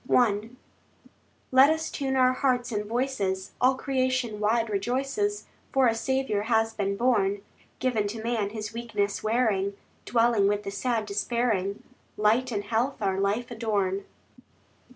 I Let us tune our hearts and voices— All creation wide rejoices, For a Saviour has been born; Given to man, his weakness wearing, Dwelling with the sad despairing, Light and health our life adorn.